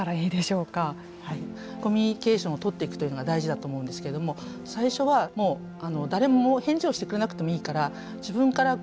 コミュニケーションをとっていくというのが大事だと思うんですけども最初はもう誰も返事をしてくれなくてもいいから自分から声をかけて挨拶をする。